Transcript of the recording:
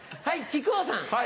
はい。